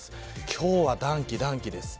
今日は暖気暖気です。